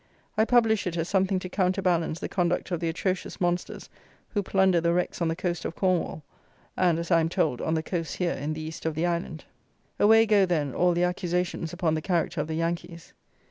I publish it as something to counterbalance the conduct of the atrocious monsters who plunder the wrecks on the coast of Cornwall, and, as I am told, on the coasts here in the east of the island. Away go, then, all the accusations upon the character of the Yankees.